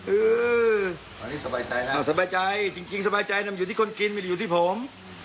อื้อสบายใจจริงสบายใจนำอยู่ที่คนกินไม่ได้อยู่ที่ผม